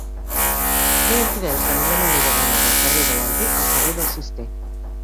Mira'm quina és la millor manera d'anar del carrer de l'Alguer al carrer del Cister.